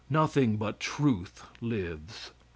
Nothing but truth lives.